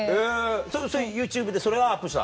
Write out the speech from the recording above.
それＹｏｕＴｕｂｅでそれはアップした？